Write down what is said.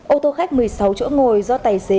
ô tô khách một mươi sáu chỗ ngồi do tài xế